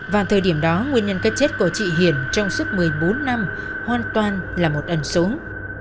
và thời điểm đó nguyên nhân cái chết của chị hiển trong suốt một mươi bốn năm hoàn toàn là một ẩn súng